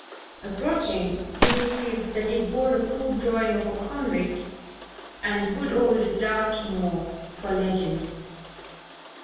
Approaching, he perceived that it bore a crude drawing of a convict and "Good old Dartmoor" for legend.